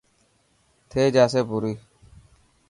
ٿي جاسي پوري.